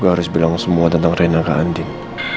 gue harus bilang semua tentang reina kak andin